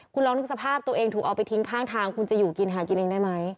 คุณลองนึกสภาพตัวเองถูกเอาไปทิ้งข้างทางคุณจะอยู่กินหากินเองได้ไหม